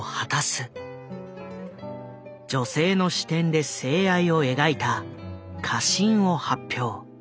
女性の視点で性愛を描いた「花芯」を発表。